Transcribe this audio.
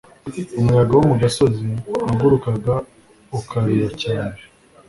Umuyaga wo mu gasozi wagurukaga ukarira cyane